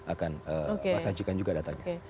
akan masajikan juga datanya